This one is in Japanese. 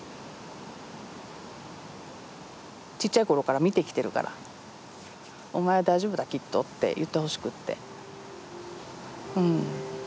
ちっちゃいころから見てきてるから「お前は大丈夫だきっと」って言ってほしくって。